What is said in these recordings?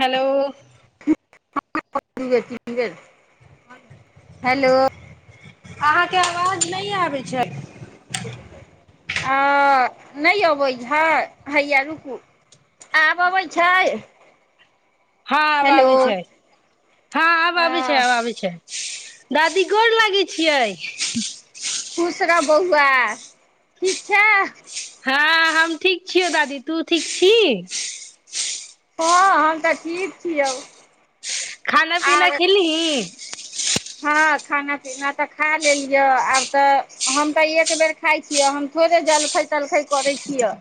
hello hello अहाँके आवाज नहि आबैत छै ह नहि अबै ह हैय रुकू आब अबै छै हँ आब हेलो आबी छै हँ आब आबी छै आब आबी छै दादी गोर लागैय छियै खुश र बहुआ ठीक छ हँ हम ठीक छियौ दादी तू ठीक छी हँ हम तऽ ठीक छियौ खाना पीना आर खेलही हँ खाना पीना तऽ खा लेलियै आब तऽ हम तऽ एक बेर खाइ छियै हम थोड़े जलखै तलखै करै छियै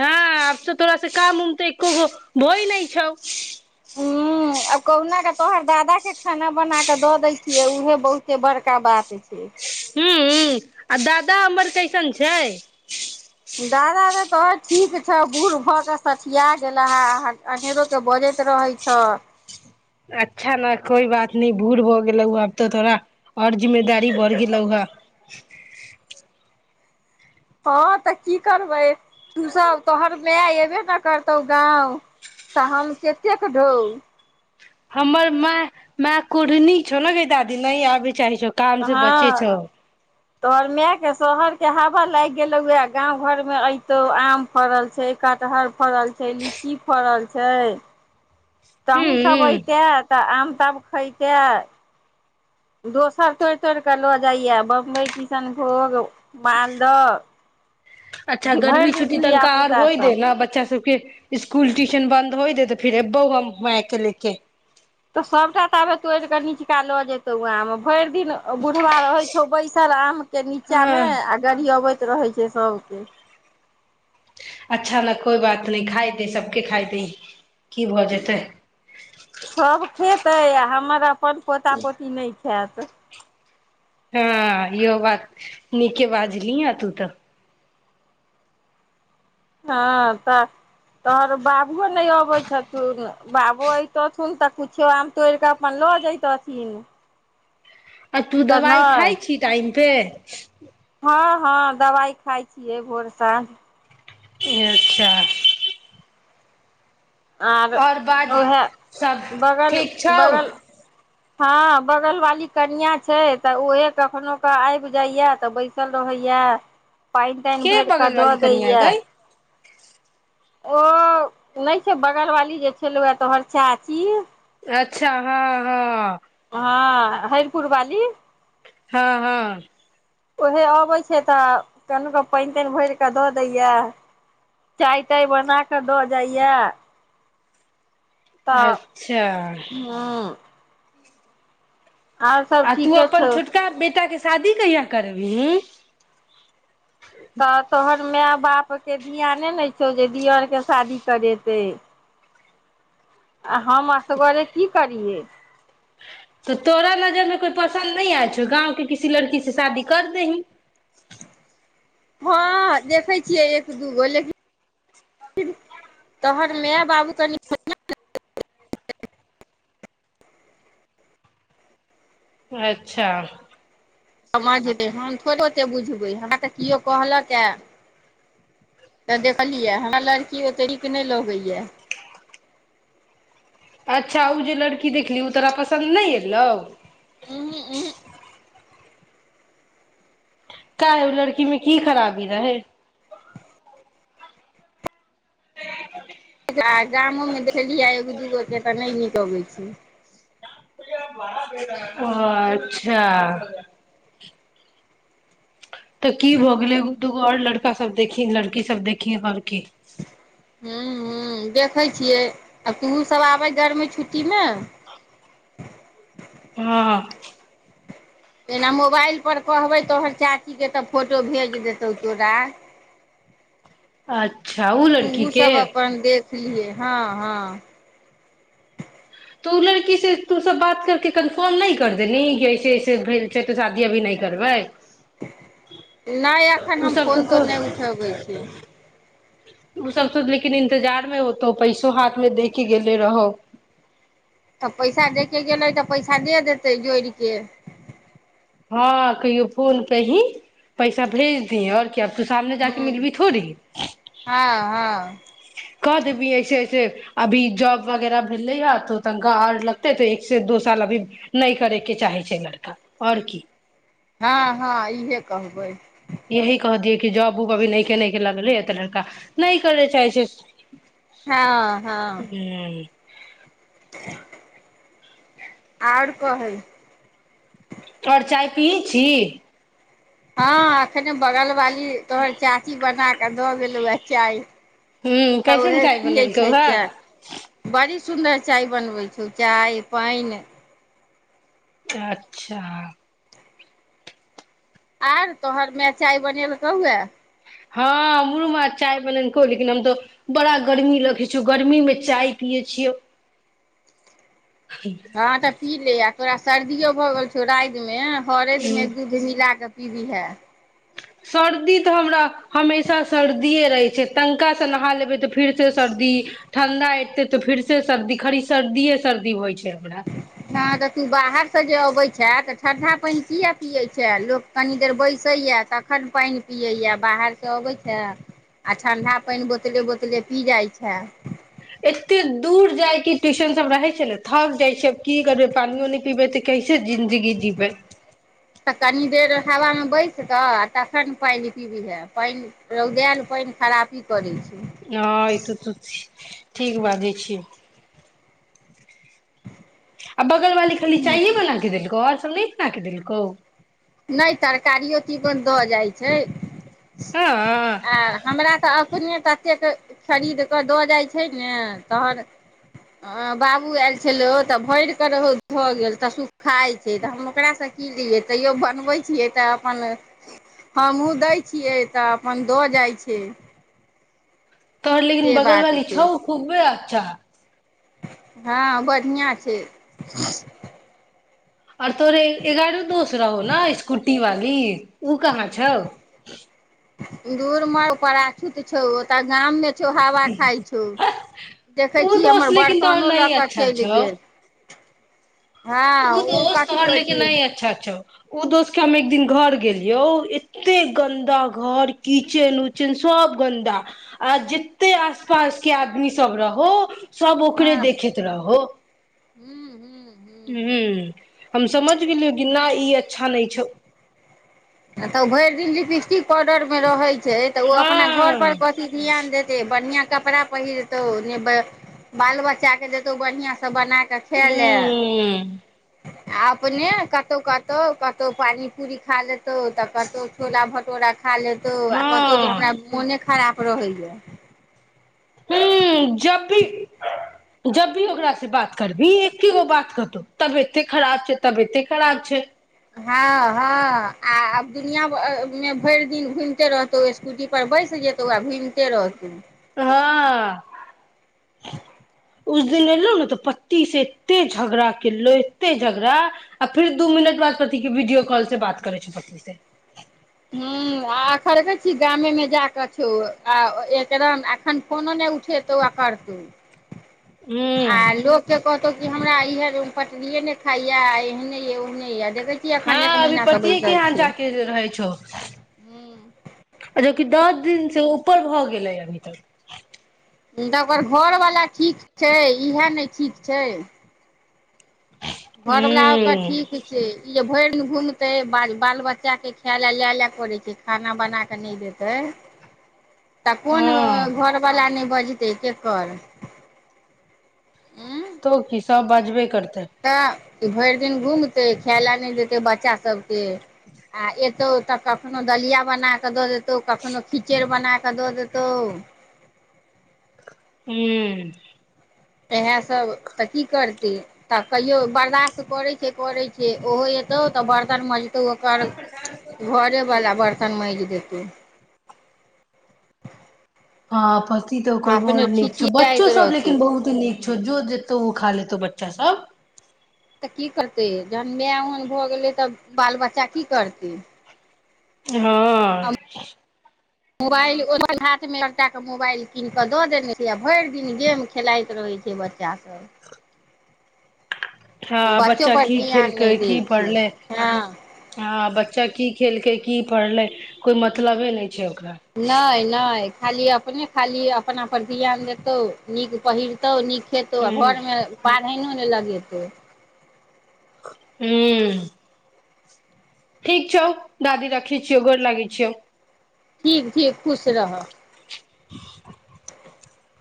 हँ अब तऽ थोड़ा से काम उम तऽ एको भो ही न छ हूँ आब कहुना कऽ तोहर दादा के खाना बना क द दै छियै उऊहे बहुत बड़का बात छै ह्म आ दादा हमर कैइसन छै दादा र तो ठीक छौ बूढ़ भऽ कऽ सखिया गेला हे अनेरोके बजैत रहै छौ अच्छा ने कोई बात न बूढ़ भ गेलौ आब तऽ थोड़ा आओर जिम्मेदारी बढ़ गेलौ ह हँ तऽ की करबै तूसभ तोहर माय अयबे ने करतौ गाँव तऽ हम कतेक ढोउ हमर मा माय कोढ़नी छौ ने दादी न आबै चाहै छौ काम से बचे हँ छौ तोहर मायके शोहरके हवा लागि गेलौ उएह गाँव घरमे अयतौ आम फड़ल छै कटहर फड़ल छै लीची फड़ल छै तहूँ सब हूँ ऐते तऽ आम तब खयइते दोसर तोड़ि तोड़ि कऽ लऽ जाइए बम्बइ किशनभोग मालदह अच्छा कि भरि गर्मी दिन छुट्टी तनिक धिया आर पुता होय दे सब ने बच्चा सब फिर स्सकुल ट्यूशन बन्द होइ दे तऽ फिर एबौ हम मैायके ले के तऽ सभटा त आबे तोड़ि कऽ निीचका लऽ जेतौ ओ आम भरि दिन बुढ़बा रहैत छौ बैसल आम के नीचा में हँ आ गड़ी अबैत रहै छै सभके अच्छा ने कोइ बात नहि खाइ दे सबके खाइ दे की भऽ जेतै सब खेतै आ हमर अपन पोता पोती नहि छै खैत हँ इहो बात नीके बाजली आ तू तऽ हँ तऽ तोरो बाबुओ नहि अबै छथुन बाबो अयतथुन तऽ किछो आम तोड़ि कऽ अपन लऽ जयैतथिन आ तू दवाइ खाइ छी टाइम पे हँ हँ दवाइ खाइ छियै भोर साँझ अच्छा आर आओर बाज उएह सब बगल ठीक छौ बगल हँ बगल वाली कनिआ छै तऽ उहे कखनो क आबि जाइया तऽ बैसल रहैया पानि तानि के भरि कऽ बगल दऽ वाली कनिया दैया गै ओ नहि छै बगलवाली जे छलौआ तोहर चाची अच्छा हँ हँ हँ हैरपुरवाली हँ हँ उहे अबैत छै तऽ कनहुके पानि तानि भरि कऽ दऽ दैए चाह ताह बना कऽ दऽ जाइए तऽ अच्छा हू आ तू ठीके अपन छौ छोटका बेटा के शादी कहिया करबीही तऽ तोहन माय बाप के ध्यान ने छै जे दियर के शादी करे तँ हम असगरे की करियै तऽ तोरा नजर में कोइ पसन्द नहि आय छौ गाँव के किसी लड़की से शादी कर दही हँ देखै छियै दगो लेकिन तोहन माय बाबू कनि अच्छा समझबै हम थोड़े ओतेक बुझबै हमरा तऽ किओ कहलक हए तऽ देखलियै हमरा लड़की ओतेक नीक नइ लगै य अच्छा उ जे लड़की देखली उ तोरा पसन्द नइ अयलौ उहूं उहूं काहे उ लड़की मे की खराबी रहै आ गामोमे देखलियै एगो दूगोके तऽ नइ नीक अबैत छै [inaudible] अच्छा तऽ की भ गेलै एगो दूगो आओर लड़का सब देखी लड़की सब देखी आओर की हू हू देखै छियै आ तोहूँ सब आबै गरमी छुट्टीमे हँ जेना मोबाइलपर कहबै तोहर चाचीकेँ तऽ फोटो भेज देतहु तोरा अच्छा ओ लड़की के सलिए हँ हँ तऽ ओ लड़की से तू सभ बात करि कऽ कन्फर्म नहि करि देलही कि ऐसे अऐसे भेल छै तऽ शादी अभी नहि करबै नहि एखन ओ हम सब फोन तऽ तो तोन नइ उठबै छिये ओ सब त लेकिन इन्तजारमे होतौ पैसो हाथमे दे के गेले रहौ तऽ पैसा देखके गेलै तऽ पैसा दे देतै जोड़ि केऽ हँ कहियो फोन पे ही पैसा भेज दी और की अब तू सामने जा क हूँ मिलबी थोड़ी हँ हँ क देबी ऐसे ऐसे अभी जॉब वगैरह भेलै ह तऽ तनिका आओर लगतै तऽ एक से दो साल अभी नहि करे के चाहे छै लड़का आओर की हँ हँ इहे कहबै यही कह दियै कि जॉब उब अभी नैके नैके लगलै य तऽ लड़का नइ करै चाहै छै हँ हँ ह आओर कहइ आओर चाय पियै छी हँ आखने बगल वाली तोहर चाची बना द गेलो ह चाय ह तऽ कैसन उहे चाय पियै बनेलकहौ छियै चाय ह बड़ी सुन्दर चाय बनबै छौ चाय पाइन अच्छा आओर तोहर मैय चाय बनेल कहूँ ह हँ हमरू माँ चाय बनेलकौ लेकिन हम तऽ बड़ा गर्मी रखै छियौ गर्मीमे चाय पियै छियौ हँ तऽ पी ले आ तोरा सर्दियो भऽ गेल छौ राइद मे हरेद मे दूध मिला कऽ पीभिये सर्दी तऽ हमरा हमेशा सर्दिेये रहै छै तनिकासँ नहा लेबै तऽ फिर से सर्दी ठण्डा एतै तऽ फिर से सर्दी खाली सर्दिए सर्दी होइ छै हमरा ह तऽ तू बाहर से जे अबै छैह तऽ ठण्डा पाइन किए पियैत छै लोक कनि देर बैसै ये तखन पाइन पियैए बाहरसँ अबैत छै आ ठण्डा पाइन बोतले बोतले पी जाइ छै एते दूर जायके ट्यूशन सब रहे छै ने थक जाइ छै की करबे पानियो न पीबै तऽ कैसे जिन्दगी जीवैत कनी देर हवामे बैस कऽ आ तखन ने पानि पीबीहे पानि रौदायल पानि खरापी करै छै हँ ई तऽ त ठीक बाजै छियै आ बगलवाली खाली चाइए बना के देलको नहि इतना कि दिल को नहि तरकारियो तीवन दऽ जाइत छै हँ आ हमरा तऽ अपने ततेक खरीद कऽ दऽ जाइ छै ने तहन बाबू आयल छलै तऽ भरिकऽ रह धऽ गेल तऽ सुखाइ छै तऽ हम ओकरासँ की लै तैयो बनबै छियै तऽ अपन हमहूँ दै छियै तऽ अपन दऽ जाइ छै तोहर लेकिन से बगल बात बाली छै छौ खूबब अच्छा हँ बढ़िआँ छै अत रहैय तो एगारड़ दोस रहो न स्कूटी वाली बी ओ कहाँ छौ दूर म पछूत छौ ओ तऽ गाममे छौ हवा खाइ छौ देखै उ छी दोस्त हमर लेकिन तोहर बर्तनो लऽ नहि कऽ अच्छा चलि छौ गेल हँ उ ओ कथी कहै छी ओ दोस्त के हम एक दिन घर गेलियौ एते गन्दा घर किचेन उचेन सब गन्दा आ जते आस पास के आदमी सब रहो सब ओकरे देखैत रहो हुँ हुँ हूँ छैलो छौ तऽ भरि दिन लिपिट ऑर्डर मे रहै छै छै तऽ ओ अपना घर परर हँ कथी ध्यान देतै बढ़िआँ कपड़ा पहिर तौ ने बाल बच्चा के देतौ बढ़िया से बना त खाय ले हूँ आ अपने कतहु कतहु कतहु पानी पूरी खालेथु तऽ कतहु छोला भटूरा खा लेतो आ कहतौ जे हँ हमरा हमरा मने खराब रहे जा हू जब भी जब भी ओकरास से बात करबी एके गो बात कहतौ तबियते खराब छै तबियते खराब छै हँ हँ आ आब दुनिया मे भरि दिन घुमिते रहतौ स्कूटी पर बैस जेतौ आ घुम हाँ उस दिन एलो ने तऽ पति से एते झगड़ा केलो एते झगड़ा आ फिर दू मिनट बाद पति के वीडियो कॉल से बात करे छ प से ह आख छी गामेमे जाकऽ छौ आ एकदम एखन फोनो नहि उठेतौ आ करतौ आ हूँ लोकके कहतो हमरा इह पटरिे ने खाइया एहने ये ओहने य देख हँ अभी पतिए के यहाँ जा के रहे छौ हू जोकि दस दिन से ऊपर भऽ गेलै अभी तक तब ओकर घरवला ठीक छै इएह नहि ठीक छै घरवला ओकर हूँ ठीक छै ई जे भरि घुमतै बाल बाल बच्चाकेँ खाय लए लए लए पड़ै छै खाना बना कऽ नहि देतै तऽ कोन हँ घरवलाा नहि बजत के कर ह तो की सब बाजबे करत तऽ कि भरि दिन घुमतै खाय लऽ नहि देतै बच्चा सबके आ एतौ तऽ कखनो दलिया बना कऽ दऽ देत त कखनो खिचड़ बना बना क द देतौ हू इएहसभ तऽ की करतै तऽ कहियो बर्दश्त करैत छै करैत छै ओहो एतहु तऽ बर्तन मज तऽ ओकर घरेवला बर्तन माँजि देतै [inaudible] हँ पति ते ओकर बड़ नीक छौ छिछियाइत बच्चो सब रहतौ लेकिन बहुत नीक छो जो जतौ खा लेतो बच्चा सब तऽ की करतै जखन माय ओहन भऽ गेलै तऽ बाल बच्चा की करतै हँ मोबाइल ओ हाथमे एकटाके मोबाइल कीनि कऽ दऽ देने छै आ भरि दिन गेम खेलाइत रहै छै बच्चासभ हँ बच्चो बच्चा पर की ध्यान खेलकै नहि दै की छै पढ़लै हँ हँ बच्चा की खेलकै की पढ़ले कोई मतलबे नहि छै ओकरा नहि नहि खाली अपने खाली अपना परर ध्यान देतौँ नीक पहिरतौ नीक खेतो आ हूँ घर मे न होने लागेत हू ठीक छौ दादी रखै छियौ गर लागै छियौ ठीक ठीक खुश रह [inaudible]